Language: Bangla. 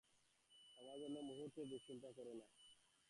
আমার জন্য মুহূর্তের দুশ্চিন্তাও কর না।